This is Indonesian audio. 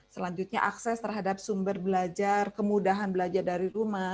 selanjutnya akses terhadap sumber belajar kemudahan belajar dari rumah